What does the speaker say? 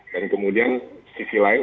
dan kemudian sisi lain